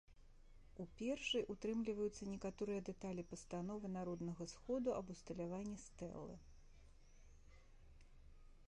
У першай утрымліваюцца некаторыя дэталі пастановы народнага сходу аб усталяванні стэлы.